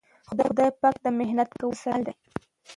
خدای پاک د محنت کونکو سره مل دی.